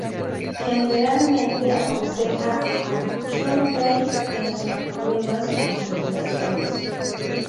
Generalmente aconseja a Junpei en sus problemas con sus relaciones.